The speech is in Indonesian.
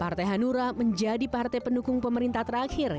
partai hanura menjadi partai pendukung pemerintah terakhir